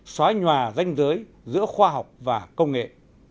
xóa nhòa danh giới giữa khoa học và công nghệ